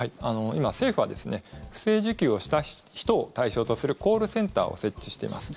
今、政府は不正受給をした人を対象とするコールセンターを設置しています。